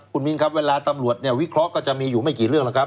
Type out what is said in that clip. คุณมินครับเวลาตำรวจเนี่ยวิเคราะห์ก็จะมีอยู่ไม่กี่เรื่องแล้วครับ